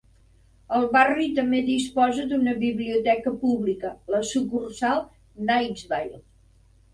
El barri també disposa d'una biblioteca pública, la sucursal Knightsville.